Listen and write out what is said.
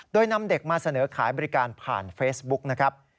โดยนำเด็กมาเสนอขายบริการผ่านเฟซบุ๊กนะครับ